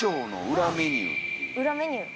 裏メニュー。